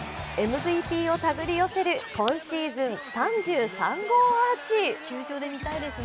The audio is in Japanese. ＭＶＰを手繰り寄せる今シーズン３３号アーチ。